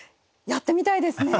やってみたいですね！